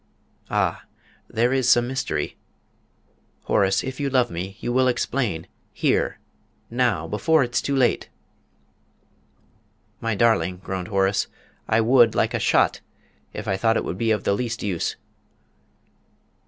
"Ah, there is some mystery! Horace, if you love me, you will explain here, now, before it's too late!" "My darling," groaned Horace, "I would, like a shot, if I thought it would be of the least use!"